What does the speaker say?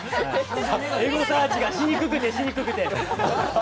エゴサーチがしにくくて、しにくくて。